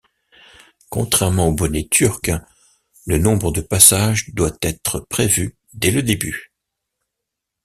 Contrairement au bonnet turc, le nombre de passages doit être prévu dès le début.